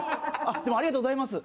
でも、ありがとうございます！